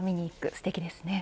すてきですね。